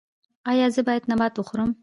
ایا زه باید نبات وخورم؟